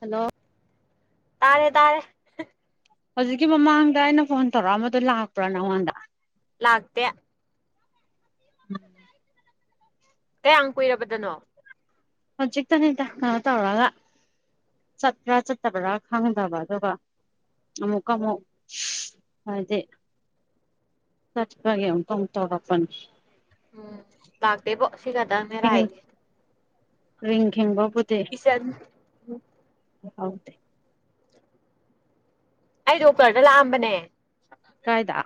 hello ꯇꯥꯔꯦ ꯇꯥꯔꯦ ꯍꯧꯖꯤꯛꯀꯤ ꯃꯃꯥꯡꯗ ꯑꯩꯅ ꯐꯣꯟ ꯇꯧꯔꯛꯑꯝꯕꯗꯣ ꯂꯥꯛꯄ꯭ꯔꯣ ꯅꯪꯉꯣꯟꯗ ꯂꯥꯛꯇꯦ [unintelligible] ꯀꯌꯥꯝ ꯀꯨꯏꯔꯕꯗꯅꯣ ꯍꯧꯖꯤꯛ ꯇꯅꯤꯗ ꯀꯩꯅ‌ꯣ ꯇꯧꯔꯒ ꯆꯠꯄ꯭ꯔꯥ ꯆꯠꯇꯕ꯭ꯔꯥ ꯈꯪꯗꯕ ꯑꯗꯨꯒ ꯑꯃꯨꯛꯀ ꯑꯃꯨꯛ ꯍꯥꯏꯗꯤ ꯆꯠꯄꯒꯤ ꯑꯃꯨꯛꯀ ꯑꯃꯨꯛ ꯇꯧꯔꯛꯄꯅ‌ꯦ ꯎꯝ ꯂꯥꯛꯇ‌ꯦꯕ‌ꯣ ꯁꯤ ꯈꯛꯇꯅ‌ꯦ ꯂꯥꯛꯏꯁ‌ꯦ ꯔꯤꯡ ꯈꯤꯡꯕꯕꯨꯗꯤ ꯆꯟ [unintelligible] ꯌꯥꯎꯗꯦ ꯑꯩ ꯗꯣꯛꯇꯔꯗ ꯂꯥꯛꯑꯝꯕꯅꯦ ꯀꯥꯏꯗ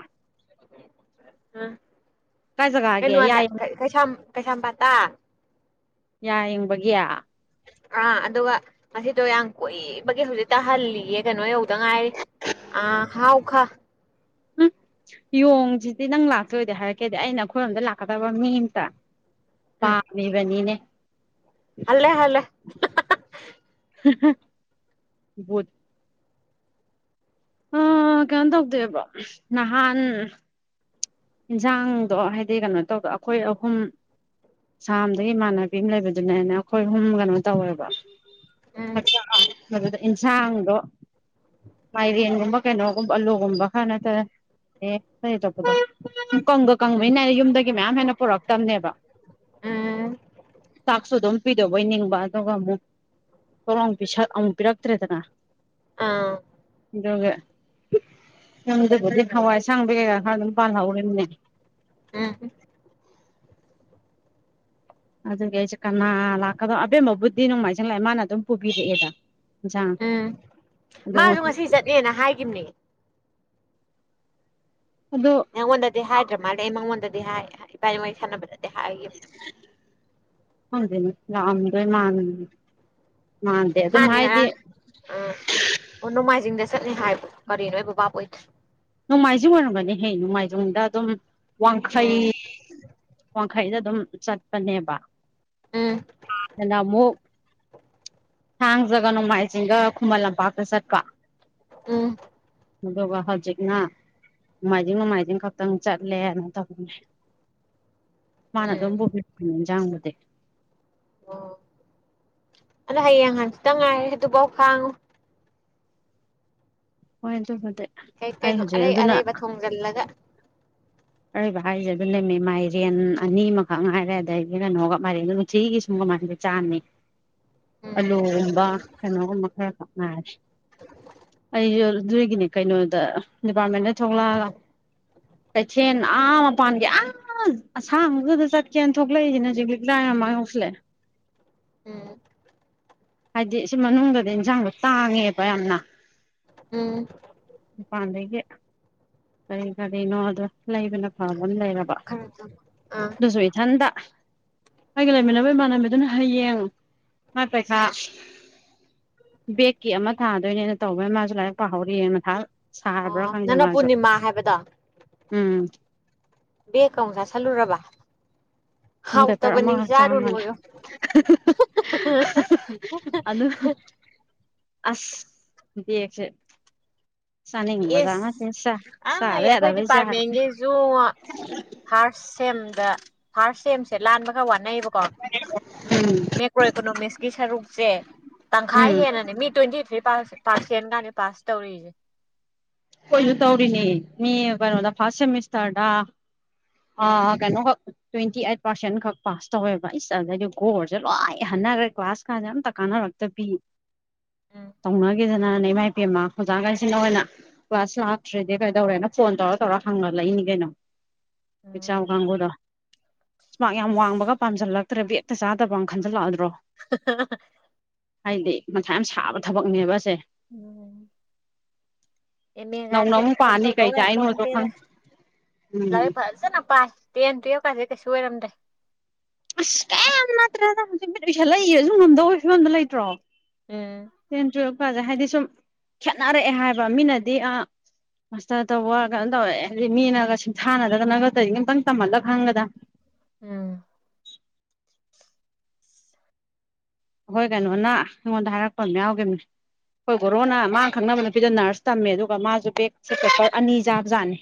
ꯑꯝ ꯀꯥꯏ ꯖꯒꯥꯒꯤ ꯌꯥ ꯀꯩꯅ‌ꯣꯗ ꯀꯩꯁꯥꯝ ꯀꯩꯁꯥꯝꯄꯥꯥꯠꯇ ꯌꯥ ꯌ‌ꯦꯡꯕꯒꯤ ꯑꯥ ꯑꯗꯨꯒ ꯉꯁꯤꯗ‌ꯣ ꯌꯥꯝ ꯀꯨꯏꯕꯒꯤ ꯍꯧꯖꯤꯛꯇ ꯍꯜꯂꯤꯌꯦ ꯀꯩꯅꯣ ꯌꯧꯗ ꯉꯥꯏꯔꯤ ꯑ ꯍꯥꯎ ꯈ ꯍꯨꯝ ꯌꯣꯡꯁꯤꯗꯤ ꯅꯪ ꯂꯥꯛꯇꯣꯏꯗꯤ ꯍꯥꯏꯔꯛꯀꯦꯗ‌ꯦ ꯑꯩꯅ ꯑꯩꯈꯣꯏꯔꯣꯝꯗ ꯂꯥꯛꯀꯗꯕ ꯃꯤ ꯑꯝꯇ ꯎꯝ ꯄꯥꯝꯃꯤꯕꯅꯤꯅꯦ ꯍꯜꯂꯦ ꯍꯜꯂꯦ ꯍꯥ ꯍꯥ ꯕꯨꯠ ꯑꯥ ꯀꯩꯅ‌ꯣ ꯇꯧꯗ‌ꯦꯕ ꯅꯍꯥꯟ ꯍꯤꯟꯖꯥꯡꯗꯣ ꯍꯥꯏꯗꯤ ꯀꯩꯅꯣ ꯇꯧꯗ‌ꯦꯕ ꯑꯩꯈꯣꯏ ꯑꯍꯨꯝ ꯁꯥꯝꯗꯒꯤ ꯏꯃꯥꯟꯅꯕꯤ ꯑꯃ ꯂꯩꯕꯗꯨꯅꯦꯅꯦ ꯑꯩꯈꯣꯏ ꯑꯍꯨꯝ ꯀꯩꯅꯣ ꯇꯧꯋꯦꯕ ꯎꯝ ꯆꯥꯛ ꯆꯥꯕꯗꯨꯗ ꯏꯟꯁꯥꯡꯗꯣ ꯃꯥꯏꯔꯦꯟꯒꯨꯝꯕ ꯀꯩꯅꯣꯒꯨꯝꯕ ꯑꯂꯨꯒꯨꯝꯕ ꯈꯔ ꯅꯠꯇꯅ ꯑꯦ [unintelligible] ꯀꯪꯒ ꯀꯪꯕꯅꯤꯅ ꯌꯨꯝꯗꯒꯤ ꯃꯌꯥꯝ ꯍꯦꯟꯅ ꯄꯨꯔꯛꯇꯕꯅꯦꯕ ꯎꯝ ꯆꯥꯛꯁꯨ ꯑꯗꯨꯝ ꯄꯤꯗ‌ꯣꯏꯕ ꯅꯤꯡꯕ ꯑꯗꯨꯒ ꯑꯃꯨꯛ ꯊ‌ꯣꯛ ꯂꯥꯎꯅ ꯄꯤꯁꯜ ꯑꯃꯨꯛ ꯄꯤꯔꯛꯇ꯭ꯔꯦꯗꯅ ꯑꯥ ꯑꯗꯨꯒ ꯌꯨꯝꯗꯕꯨꯗꯤ ꯍꯋꯥꯏ ꯑꯁꯥꯡꯕꯤ ꯀꯩꯀꯥ ꯈꯔ ꯑꯗꯨꯝ ꯄꯥꯜꯍꯧꯔꯤꯕꯅꯦ ꯎꯝ ꯑꯗꯨꯒꯤ ꯑꯩꯖꯦ ꯀꯅꯥ ꯂꯥꯛꯀꯗꯣ ꯑꯕꯦꯝꯃꯥꯕꯨꯗꯤ ꯅꯣꯡꯃꯥꯏꯖꯤꯡ ꯂꯥꯛꯑꯦ ꯃꯥꯅ ꯑꯗꯨꯝ ꯄꯨꯕꯤꯔꯛꯑꯦꯗ ꯍꯤꯟꯖꯡ ꯃꯥꯖꯨ ꯉꯁꯤ ꯆꯠꯅꯦꯅ ꯍꯥꯏꯒꯤꯝꯅꯦ ꯑꯗꯣ ꯅꯪꯉꯣꯟꯗꯗꯤ ꯍꯥꯏꯗ꯭ꯔ ꯃꯥꯜꯂꯦ ꯑꯩ ꯃꯉꯣꯟꯗꯗꯤ ꯍꯥꯏ ꯏꯕꯥꯟꯅꯤ ꯋꯥꯔꯤ ꯁꯥꯟꯅꯕꯗ ꯍꯥꯏꯒꯤꯝꯅꯦ ꯈꯡꯗꯦꯅꯦ ꯂꯥꯛ ꯑꯝꯗꯣꯏ ꯃꯥꯟ ꯃꯥꯟꯗꯦ ꯑꯗꯨꯝ ꯃꯥꯟꯗꯤ ꯍꯥꯏꯗꯤ ꯉꯔꯥꯡ ꯑꯥ ꯑꯣ ꯅꯣꯡꯃꯥꯏꯖꯤꯡꯗ ꯆꯠꯅꯤ ꯍꯥꯏꯕ꯭ꯔꯣ ꯀꯔꯤꯅꯣ ꯑꯩꯕꯨ ꯚꯥꯕ ꯑꯣꯏꯗ꯭ꯔꯦ ꯅꯣꯡꯃꯥꯏꯖꯤꯡ ꯑꯣꯏꯔꯝꯒꯅꯤꯍꯦ ꯅꯣꯡꯃꯥꯏꯖꯤꯡꯗ ꯑꯗꯨꯝ ꯋꯥꯡꯈꯩ ꯎꯝ ꯋꯥꯡꯈꯩꯗ ꯑꯗꯨꯝ ꯆꯠꯄꯅꯦꯕ ꯎꯝ ꯍꯟꯅꯥꯅ ꯑꯃꯨꯛ ꯊꯥꯡꯖꯒ ꯅꯣꯡꯃꯥꯏꯖꯤꯡꯒ ꯈꯨꯃꯟ ꯂꯝꯄꯥꯛꯇ ꯆꯠꯄ ꯎꯝ ꯑꯗꯨꯒ ꯍꯥꯖꯤꯛ ꯅꯥ ꯅꯣꯡꯃꯥꯏꯖꯤꯡ ꯅꯣꯡꯃꯥꯏꯖꯤꯡ ꯈꯛꯇꯪ ꯆꯠꯂꯦꯅ ꯇꯧꯕꯅꯦ ꯃꯥꯅ ꯎꯝ ꯑꯗꯨꯝ ꯄꯨꯕꯤꯔꯛꯄꯅꯦ ꯍꯤꯟꯖꯥꯡꯕꯨꯗꯤ ꯑꯣ ꯑꯗꯣ ꯍꯌꯦꯡ ꯍꯡꯖꯤꯠꯇꯪ ꯉꯥꯏꯔꯦ ꯑꯗꯨꯕꯧ ꯈꯥꯡꯉꯣ ꯍꯣꯏ ꯑꯗꯨꯕꯨꯗꯤ ꯀꯩ ꯑꯩ ꯀꯩꯅꯣ ꯍꯧꯖꯤꯛ ꯑꯔꯩ ꯑꯗꯨꯅ ꯑꯔꯩꯕ ꯊꯣꯡꯖꯜꯂꯒ ꯑꯔꯩꯕꯥ ꯍꯥꯏꯖꯦ ꯑꯗꯨꯅꯦꯃꯦ ꯃꯥꯏꯔꯦꯟ ꯑꯅꯤ ꯑꯅꯤꯃꯈꯛ ꯉꯥꯏꯔꯦ ꯑꯗꯒꯤ ꯀꯩꯅꯣꯒ ꯃꯥꯏꯔꯦꯟꯗꯨ ꯁꯤꯒꯤ ꯁꯨꯝ ꯀꯃꯥꯏꯅ ꯆꯥꯅꯤ ꯎꯝ ꯑꯂꯨꯒꯨꯝꯕ ꯀꯩꯅꯣꯒꯨꯝꯕ ꯈꯔꯒ ꯉꯥꯏꯔꯦ ꯑꯩꯖꯨ ꯑꯗꯨꯒꯤꯅꯦ ꯀꯩꯅꯣꯗ ꯗꯤꯄꯥꯔꯠꯃꯦꯟꯗ ꯊꯣꯛꯂꯛ ꯑꯒ ꯁꯦꯟ ꯑꯥ ꯃꯄꯥꯟꯒꯤ ꯑ ꯑꯁꯥꯡꯕꯗꯨꯗ ꯆꯠꯀꯦꯅ ꯊꯣꯛꯂꯛ ꯏꯖꯤꯅꯦ ꯍꯧꯖꯤꯛ ꯂꯤꯛꯂꯥ ꯃꯃꯡ ꯌꯧꯁꯜꯂꯛꯑꯦ ꯎꯝ ꯍꯥꯏꯗꯤ ꯁꯤ ꯃꯅꯨꯡꯗꯗꯤ ꯏꯟꯁꯥꯡꯗꯣ ꯇꯥꯡꯉꯦꯕ ꯌꯥꯝꯅ ꯎꯝ ꯃꯄꯟꯗꯒꯤ ꯀꯔꯤ ꯀꯔꯤꯅꯣꯗꯣ ꯂꯩꯕꯅ ꯐꯥꯕꯝ ꯂꯩꯔꯕ ꯈꯔ ꯑꯥ ꯑꯗꯨꯁꯨ ꯏꯊꯟꯗ ꯑꯩꯒ ꯂꯩꯃꯤꯟꯅꯕ ꯏꯃꯥꯟꯅꯕꯤꯗꯨꯅ ꯍꯌꯦꯡ ꯃꯥ ꯄꯩꯈꯥ ꯕꯦꯛꯀꯤ ꯑꯃ ꯊꯥꯗꯣꯏꯅꯦꯅ ꯇꯧꯕꯩ ꯃꯥꯖꯨ ꯂꯥꯏꯔꯤꯛ ꯄꯥꯍꯧꯔꯤꯌꯦ ꯃꯊꯥ ꯁꯥꯔꯕ꯭ꯔꯥ ꯑꯣ ꯈꯪꯗꯦ ꯅꯪꯅ ꯃꯥꯖꯨ ꯄꯨꯔꯅꯤꯃꯥ ꯍꯥꯏꯕꯗꯣ ꯎꯝ ꯕꯦꯛ ꯀꯥ ꯑꯃꯨꯛ ꯆꯁꯟꯂꯨꯔꯕ ꯎꯝ ꯄꯦꯄꯔ ꯑꯃ ꯆꯥꯃꯜꯂꯦ ꯍꯥ ꯆꯥꯔꯨꯅꯣꯌꯣ ꯍꯥ ꯍꯥ ꯍꯥ ꯍꯥ ꯍꯥ ꯑꯗꯨ ꯑꯁ ꯕꯦꯛꯁꯦ ꯆꯥꯅꯤꯡꯕꯖꯥꯠ ꯅꯠꯇꯦ ꯆꯥ ꯏꯁ ꯑꯩ ꯆꯥꯗ ꯑꯩꯈꯣꯏ ꯌꯥꯗꯕꯩ ꯆꯥꯔꯦ ꯗꯤꯄꯥꯔꯠꯃꯦꯟꯒꯤꯖꯨ ꯉꯣ ꯐꯥ꯭ꯔꯁ ꯁꯦꯝꯗ ꯐꯥ꯭ꯔꯁ ꯁꯦꯝꯖꯦ ꯂꯥꯟꯕ ꯈꯔ ꯋꯥꯅꯩꯕꯀꯣ ꯎꯝ ꯀ꯭ꯔꯣ ꯏꯀꯣꯅꯣꯃꯤꯛꯁꯀꯤ ꯁꯔꯨꯛꯁꯦ ꯇꯪꯈꯥꯏ ꯎꯝ ꯍꯦꯟꯅꯅꯦ ꯃꯤꯠ ꯇ꯭ꯋꯦꯟꯇꯤ ꯊ꯭ꯔꯤ ꯄꯥꯔꯁ ꯄꯥꯔꯁꯁꯦꯟꯒꯥꯅꯦ ꯄꯥꯁ ꯇꯧꯔꯤꯖꯦ ꯈꯣꯏꯖꯨ ꯇꯧꯔꯤꯅꯦ ꯃꯤ ꯀꯩꯅꯣꯗ ꯐꯥꯔꯁ ꯁꯦꯃꯤꯁꯇꯔꯗ ꯎꯝ ꯑ ꯀꯩꯅꯣꯈꯛ ꯇ꯭ꯋꯦꯟꯇꯤ ꯑꯥꯏꯠ ꯄꯥꯔꯁꯦꯟ ꯈꯛ ꯄꯥꯁ ꯇꯧꯋꯦꯕ ꯏꯁ ꯑꯗꯩꯗꯤ ꯒꯣꯔꯖꯦ ꯂꯣꯏ ꯍꯟꯅꯒ꯭ꯔꯦ ꯀ꯭ꯂꯥꯁ ꯀꯥꯖꯦ ꯑꯝ ꯀꯥꯅꯔꯛꯇꯕꯤ ꯇꯧꯅꯒꯤꯗꯅꯅꯦ ꯏꯃꯥꯏꯄꯦꯝꯃ ꯑꯣꯖꯥꯒꯩꯖꯤꯅꯥ ꯑꯣꯏꯅ ꯀ꯭ꯂꯥꯁ ꯂꯥꯛꯇ꯭ꯔꯤꯗꯤ ꯀꯩꯗꯧꯔꯦꯅ ꯐꯣꯟ ꯇꯧꯔ ꯇꯧꯔ ꯍꯪꯒꯠꯂꯛꯏꯅꯤ ꯀꯩꯅꯣ ꯑꯦꯛꯖꯝ ꯎꯝ ꯀꯥꯡꯕꯨꯗꯣ ꯃ꯭ꯔꯛ ꯌꯥꯝ ꯋꯥꯡꯕꯒ ꯄꯥꯝꯖꯜꯂꯛꯇ꯭ꯔꯦ ꯕꯦꯛꯇ ꯆꯥꯗꯕꯅ ꯈꯟꯖꯜꯂꯛ ꯑꯗ꯭ꯔꯣ ꯍꯥ ꯍꯥ ꯍꯥ ꯍꯥꯏꯗꯤ ꯃꯊꯥ ꯌꯥꯝ ꯁꯥꯕ ꯊꯕꯛꯅꯦꯕ ꯑꯁꯦ ꯎꯝ ꯑꯦꯃꯦ ꯅꯧꯅ ꯒꯥꯟꯁꯦ ꯑꯃꯨꯛ ꯄꯥꯅꯤ ꯄꯪꯇꯧ ꯀꯩ ꯇꯧ ꯇꯥꯛꯏꯅꯣꯗꯣ ꯌꯥꯟꯄꯣꯟꯇꯦꯗ ꯈꯪ ꯎꯝ ꯂꯥꯏꯔꯤꯛ ꯐꯖꯅ ꯄꯥꯏ ꯇꯦꯟ ꯇꯨꯋꯦꯜꯐ ꯀꯥꯁꯦ ꯀꯩꯁꯨ ꯑꯣꯏꯔꯝꯗ꯭ꯔꯦ ꯑꯁ ꯀ꯭ꯌꯦꯝ ꯅꯠꯇ꯭ꯔꯦꯗ ꯍꯧꯖꯤꯛ ꯃꯤꯠ ꯎꯏꯁꯜꯂ ꯌꯦꯡꯉꯖꯨ ꯉꯝꯗꯧꯕꯒꯤ ꯐꯤꯕꯝꯗ ꯂꯩꯇ꯭ꯔꯣ ꯎꯝ ꯇꯦꯟ ꯇꯨꯋꯦꯜꯐ ꯀꯥꯖꯦ ꯍꯥꯏꯗꯤ ꯁꯨꯝ ꯈꯦꯠꯅꯔꯛꯑꯦ ꯍꯥꯏꯕ ꯃꯤꯅꯗꯤ ꯑ ꯃꯥꯁꯇꯔ ꯇꯧꯕ ꯀꯩꯅꯣ ꯇꯧꯋꯦ ꯍꯥꯏꯗꯤ ꯃꯤꯅꯒ ꯁꯤꯡꯊꯥꯅꯗꯅꯒ ꯇꯧꯔꯤꯖꯦ ꯑꯝꯇꯪ ꯇꯝꯍꯜꯂ ꯈꯪꯒꯗꯝ ꯎꯝ ꯑꯈꯣꯏ ꯀꯩꯅꯣꯅ ꯑꯩꯉꯣꯟꯗ ꯍꯥꯏꯔꯛꯄ ꯑꯝ ꯌꯥꯎꯒꯤꯕꯅꯤ ꯑꯩꯈꯣꯏ ꯒꯣꯔꯣꯅ ꯃꯥꯅ ꯈꯪꯅꯕ ꯅꯨꯄꯤꯗꯣ ꯅ꯭ꯔꯁ ꯇꯝꯃꯦ ꯑꯗꯨꯒ ꯃꯥꯖꯨ ꯕꯦꯛ ꯁꯤ ꯄꯦꯄꯔ ꯑꯅꯤ ꯆꯥꯕ ꯖꯥꯠꯅꯤ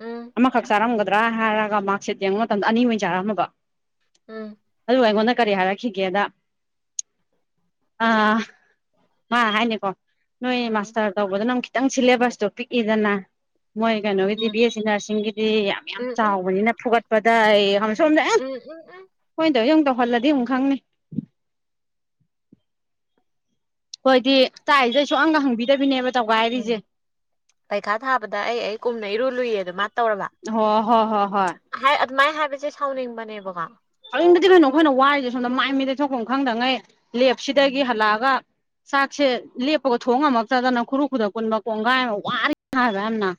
ꯎꯝ ꯑꯃꯈꯛ ꯆꯥꯔꯝꯒꯗ꯭ꯔꯥ ꯍꯥꯏꯔꯒ ꯃꯥ꯭ꯔꯛ ꯁꯤꯠ ꯌꯦꯡꯉꯨ ꯃꯇꯝꯗ ꯑꯅꯤ ꯑꯣꯏꯅ ꯆꯔꯝꯃꯕ ꯎꯝ ꯑꯗꯨꯒ ꯑꯩꯉꯣꯟꯗ ꯀꯔꯤ ꯍꯥꯏꯔꯛꯈꯤꯒꯦꯗ ꯑ ꯃꯥ ꯍꯥꯏꯅꯦ ꯀꯣ ꯅꯣꯏ ꯎꯝ ꯃꯥꯁꯇꯔ ꯇꯧꯕꯗꯅ ꯑꯃꯨꯛ ꯈꯤꯇꯪ ꯁꯤꯂꯦꯕꯁꯇꯣ ꯄꯤꯛꯏꯗꯅ ꯃꯣꯏ ꯀꯩꯅꯣꯒꯤꯗꯤ ꯕꯤ ꯑꯦꯁ ꯁꯤ ꯅꯔꯁꯤꯡꯒꯤꯗꯤ ꯌꯥꯝ ꯎꯝ ꯌꯥꯝ ꯎꯝ ꯎꯝ ꯎꯝ ꯆꯥꯎꯕꯅꯤꯅ ꯐꯨꯒꯠꯄꯗ ꯑꯩ ꯁꯣꯝꯗ ꯑꯦ [unintelligible] ꯑꯩꯈꯣꯏꯟ ꯇꯧꯋꯤꯖꯦ ꯑꯃꯨꯛ ꯇꯧꯍꯜꯂꯗꯤ ꯑꯃꯨꯛ ꯈꯪꯅꯤ ꯈꯣꯏꯗꯤ ꯇꯥꯛꯏꯒꯩ ꯁꯨꯛꯍꯪꯒ ꯍꯪꯕꯤꯗꯕꯤꯅꯦꯕ ꯇꯧꯒꯥꯏꯔꯤꯖꯦ ꯎꯝ ꯄꯩꯈꯥ ꯊꯥꯕꯗ ꯑꯩ ꯑꯩ ꯀꯨꯝꯅ ꯏꯔꯨ ꯂꯨꯏ ꯑꯗꯣ ꯃꯥ ꯇꯧꯔꯕ ꯍꯣ ꯍꯣꯏ ꯍꯣꯏ ꯍꯣꯏ ꯍꯥꯏ ꯑꯗꯨꯃꯥꯏꯟ ꯍꯥꯏꯕꯖꯦ ꯁꯥꯎꯅꯤꯡꯕꯅꯦꯕꯀꯣ ꯁꯥꯎꯅꯤꯡꯗ꯭ꯔꯗꯤ ꯀꯩꯅꯣ ꯑꯩꯈꯣꯏꯅ ꯋꯥꯔꯤꯖꯦ ꯁꯣꯝꯗ ꯃꯥꯏ ꯃꯤꯠ ꯇꯩꯊꯣꯛꯐꯝ ꯈꯪꯗꯉꯩ ꯂꯦꯞꯁꯤꯗꯒꯤ ꯎꯝ ꯍꯜꯂꯛꯑꯒ ꯆꯥꯛꯁꯦ ꯂꯦꯞꯄꯒ ꯊꯣꯡ ꯉꯝꯃꯛꯇꯗꯅ ꯈꯨꯔꯨ ꯈꯨꯗꯛ ꯀꯨꯟꯕ ꯀꯣꯡꯒꯥꯏ ꯑꯃ ꯋꯥꯔꯤꯅꯤ ꯍꯥꯏꯕ ꯌꯥꯝꯅ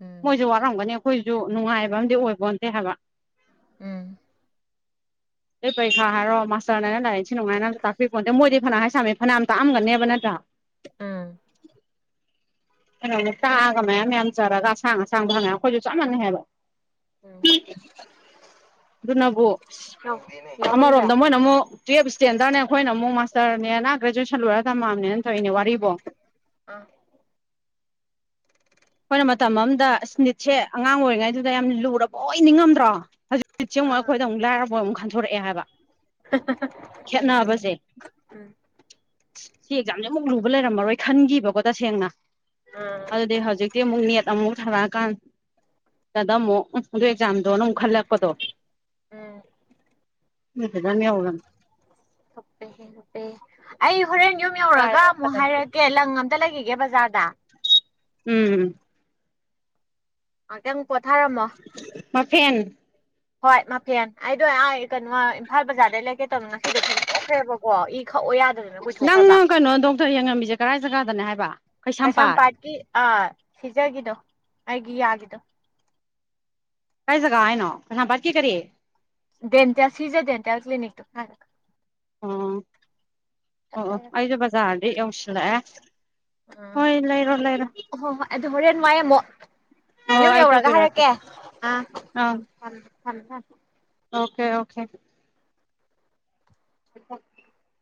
ꯎꯝ ꯃꯣꯏꯖꯨ ꯋꯥꯔꯝꯒꯅꯤ ꯑꯩꯈꯣꯏꯖꯨ ꯅꯨꯡꯉꯥꯏꯕ ꯑꯝꯗꯤ ꯑꯣꯏꯄꯣꯟꯇꯦ ꯍꯥꯏꯕ ꯎꯝ ꯑꯗꯩ ꯄꯔꯤꯈꯥ ꯍꯥꯏꯔꯣ ꯃꯥꯁꯇꯔꯅꯅ ꯂꯥꯏꯔꯤꯛ ꯁꯤ ꯅꯨꯡꯉꯥꯏꯅ ꯇꯥꯛꯄꯤꯄꯣꯟꯗꯦ ꯃꯣꯏꯗꯤ ꯐꯅ ꯍꯥꯏ ꯁꯥꯝꯃꯦ ꯐꯅꯌꯥꯝ ꯇꯥꯛꯑꯝꯒꯅꯦꯕ ꯅꯠꯇ꯭ꯔ ꯎꯝ ꯀꯩꯅꯣꯅ ꯇꯥꯛꯑꯒ ꯃꯌꯥꯝ ꯃꯌꯥꯝ ꯆꯔꯒ ꯑꯁꯥꯡ ꯑꯁꯥꯡꯗ ꯍꯪꯉꯛꯑꯦ ꯑꯩꯈꯣꯏꯖꯨ ꯆꯞ ꯃꯥꯟꯅꯩ ꯍꯥꯏꯕ ꯎꯝ [unintelligible] ꯑꯗꯨꯅꯕꯨ ꯌꯥꯎꯔꯝꯗ꯭ꯔꯦ ꯑꯃꯔꯣꯝꯗ ꯑꯥ ꯃꯣꯏꯅ ꯑꯃꯨꯛ ꯇꯨꯋꯦꯜꯐ ꯁ꯭ꯇꯦꯟꯗꯥꯔꯅꯦ ꯑꯩꯈꯣꯏꯅ ꯑꯃꯨꯛ ꯃꯥꯁꯇꯔꯅꯦꯅ ꯒ꯭ꯔꯦꯖꯨꯌꯦꯁꯟ ꯂꯣꯏꯔ ꯇꯝꯃꯛꯑꯝꯅꯦꯅ ꯇꯧꯋꯤꯅꯦ ꯋꯥꯔꯤꯕꯣ ꯑꯥ ꯑꯩꯈꯣꯏꯅ ꯃꯇꯝ ꯑꯝꯗ ꯏꯁ ꯅꯤꯠꯁꯦ ꯑꯉꯥꯡ ꯑꯣꯏꯔꯤꯉꯩꯗꯨꯗ ꯌꯥꯝ ꯂꯨꯔꯕꯣꯏ ꯅꯤꯡꯉꯝꯗ꯭ꯔꯣ ꯍꯧꯖꯤꯛ ꯖꯤꯛꯁꯦ ꯑꯃꯨꯛ ꯑꯩꯈꯣꯏꯗ ꯑꯃꯨꯛ ꯂꯥꯏꯔꯕꯣꯏ ꯑꯃꯨꯛ ꯈꯟꯗꯣꯔꯛꯑꯦ ꯍꯥꯏꯕ ꯈꯦꯠꯅꯕꯖꯦ ꯎꯝ ꯁꯤ ꯑꯦꯛꯖꯥꯝ ꯖꯤꯃꯨꯛ ꯂꯨꯕ ꯂꯩꯔꯝꯃꯔꯣꯏ ꯈꯟꯒꯤꯕꯀꯣ ꯇꯁꯦꯡꯅ ꯎꯝ ꯑꯗꯨꯗꯤ ꯍꯧꯖꯤꯛꯇꯤ ꯑꯃꯨꯛ ꯅꯦꯠ ꯑꯃꯨꯛ ꯊꯥꯔꯛꯑꯀꯥꯟ ꯗꯗ ꯑꯃꯨꯛ ꯎꯝ ꯑꯗꯨ ꯑꯦꯛꯖꯥꯝꯗꯣꯅ ꯑꯃꯨꯛ ꯈꯜꯂꯛꯄꯗꯣ ꯎꯝ ꯅꯣꯏ ꯗꯥꯟ ꯂꯩꯍꯧꯃꯝꯅꯤ ꯊꯨꯞꯄꯦꯍꯦ ꯊꯨꯄꯦꯍꯦ ꯑꯩ ꯍꯣꯔꯦꯟ ꯌꯨꯝ ꯌꯧꯔꯒ ꯑꯔꯥꯏꯕ ꯑꯝꯇ ꯑꯃꯨꯛ ꯂꯩꯇꯦ ꯍꯥꯏꯔꯛꯑ ꯒꯦ ꯂꯪ ꯑꯝꯇ ꯂꯩꯒꯤꯒꯦ ꯕꯖꯥꯔꯗ ꯎꯝ ꯉꯥꯛꯇꯪ ꯄꯣꯊꯥꯔꯝꯃꯣ ꯃꯥꯐꯦꯟ ꯍꯣꯏ ꯃꯄꯦꯟ ꯑꯩꯗꯣ ꯑꯥ ꯀꯩꯅꯣ ꯏꯝꯐꯥꯜ ꯕꯖꯥꯔꯗꯩ ꯂꯩꯀꯦ ꯇꯧꯅꯣ ꯉꯁꯤꯗꯣ ꯊꯦꯡꯗꯣꯛꯈ꯭ꯔꯦꯕꯧ ꯑꯣ ꯏ ꯈꯛꯑꯣ ꯌꯥꯗꯞ ꯅꯪꯅ ꯀꯩꯅꯣ ꯗꯣꯛꯇꯔ ꯌꯦꯡꯉꯝꯃꯤꯖꯦ ꯀꯔꯥꯏ ꯖꯒꯥꯗꯅꯦ ꯍꯥꯏꯕ ꯀꯩꯁꯥꯝꯄꯥꯠ ꯀꯩꯁꯥꯝꯄꯥꯠꯀꯤ ꯑꯥ ꯁꯤꯖꯒꯤꯗꯣ ꯑꯩꯒꯤ ꯌꯥꯒꯤꯗꯣ ꯀꯥꯏ ꯖꯥꯒ ꯍꯥꯏꯅꯣ ꯀꯩꯁꯥꯝꯄꯥꯠꯀꯤ ꯀꯔꯤ ꯗꯦꯟꯇꯌꯥꯁ ꯁꯤꯖ ꯗꯦꯟꯇꯦꯜ ꯀ꯭ꯂꯤꯅꯤꯛꯇꯣ ꯑꯣ ꯁꯠ ꯑꯣ ꯑꯣ ꯂꯩꯔꯛꯀꯦ ꯑꯩꯖꯨ ꯕꯖꯥꯔꯗꯤ ꯌꯧꯁꯤꯂꯑꯦ ꯑ ꯍꯣꯏ ꯂꯩꯔꯣ ꯂꯩꯔꯣ ꯍꯣꯏ ꯍꯣꯏ ꯑꯗꯨ ꯍꯣꯔꯦꯟ ꯋꯥꯏ ꯑꯃꯨꯛ ꯍꯣꯏ ꯌꯨꯝ ꯑꯩ ꯌꯧꯔꯒ ꯇꯧꯕꯤꯔꯛꯀꯦ ꯍꯥꯏꯔꯛꯀꯦ ꯑꯥ ꯑꯥ [inaudible] ꯑꯣꯀꯦ ꯑꯣꯈꯦ [inaudible]